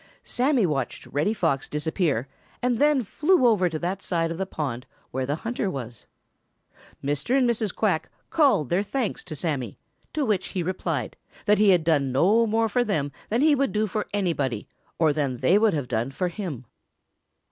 Sammy watched Reddy Fox disappear and then flew over to that side of the pond where the hunter was. Mr. and Mrs. Quack called their thanks to Sammy, to which he replied, that he had done no more for them than he would do for anybody, or than they would have done for him.